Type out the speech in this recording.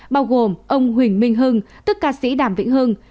bao gồm ông huỳnh minh hưng tức ca sĩ đàm vĩnh hưng